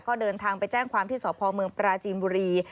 ก็เดินทางไปแจ้งความที่สพเมืองปราจีนบุรี